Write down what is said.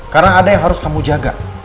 karena ada yang harus kamu jaga